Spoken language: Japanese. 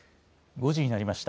５時になりました。